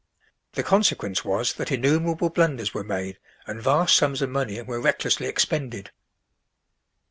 The consequence was that innumerable blunders were made and vast sums of money were recklessly expended."